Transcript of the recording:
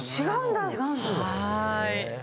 違うんだ。